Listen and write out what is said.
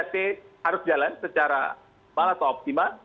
tiga c harus jalan secara optimal